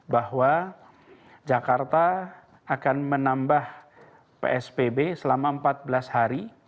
bahwa jakarta akan menambah psbb selama empat belas hari